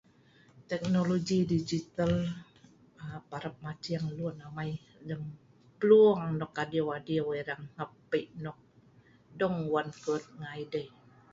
Teknologi digital aaa...parap maceng lun amai lem plung nok adiu adiu ereng hngap pei nok dong wan keut ngai dei